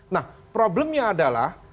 nah problemnya adalah